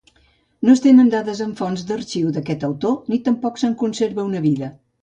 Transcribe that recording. No es tenen dades en fonts d'arxiu d'aquest autor ni tampoc se'n conserva una vida.